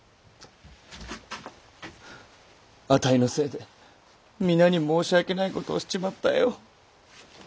あたいのせいで皆に申し訳ないことをしちまったよ。